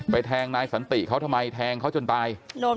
แทงนายสันติเขาทำไมแทงเขาจนตาย